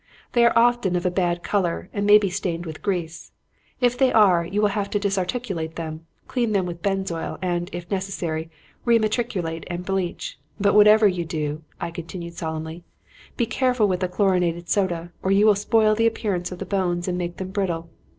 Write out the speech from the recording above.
They are often of a bad color and may be stained with grease. If they are, you will have to disarticulate them, clean them with benzol and, if necessary, remacerate and bleach; but whatever you do,' I concluded solemnly, 'be careful with the chlorinated soda or you will spoil the appearance of the bones and make them brittle.